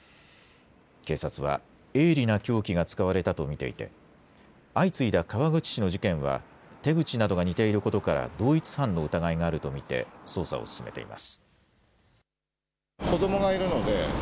警察は、鋭利な凶器が使われたと見ていて、相次いだ川口市の事件は、手口などが似ていることから、同一犯の疑いがあると見て捜査を進めています。